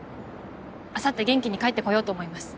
あさって元気に帰ってこようと思います。